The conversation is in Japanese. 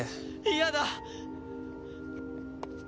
嫌だ！